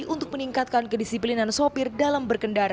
untuk meningkatkan kedisiplinan sopir dalam berkendara